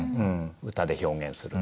歌で表現する。